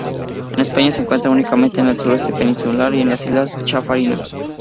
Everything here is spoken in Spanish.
En España se encuentra únicamente en el sureste peninsular y en las Islas Chafarinas.